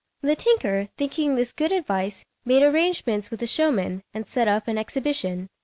] The tinker, thinking this good advice, made arrangements with a showman, and set up an exhibition.